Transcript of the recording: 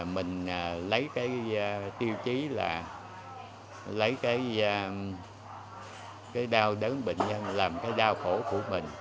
mình lấy tiêu chí là lấy đau đớn bệnh nhân làm đau khổ của mình